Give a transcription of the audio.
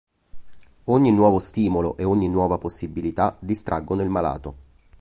Ogni nuovo stimolo e ogni nuova possibilità distraggono il malato.